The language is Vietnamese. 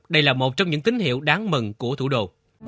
đây là một trong những tín hiệu đáng mừng của thủ đô